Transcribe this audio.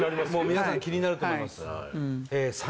皆さん気になると思います